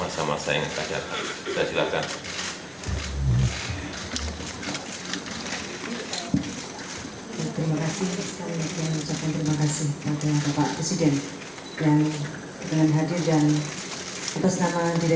semasa masa yang terjadi